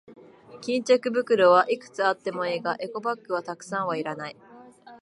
巾着袋はいくつあってもいいが、エコバッグはたくさんはいらない。